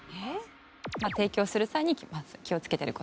提供する際にまず気をつけている事。